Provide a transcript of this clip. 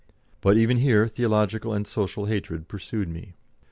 But even here theological and social hatred pursued me.